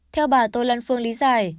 theo bà tô lan phương lý giải